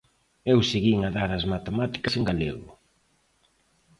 Eu seguín a dar as matemáticas en galego.